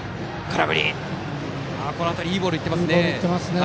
この辺り、いいボールが行っていますね。